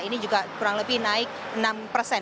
ini juga kurang lebih naik enam persen